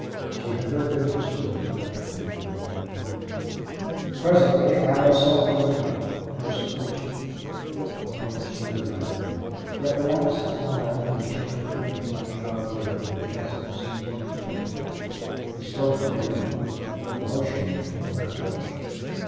She had heard them whispering together whenever they came near. Presently Allie saw Durade. He was approaching. How well she remembered him! Yet the lapse of time and the change between her childhood and the present seemed incalculable. He spoke to the women, motioning in her direction.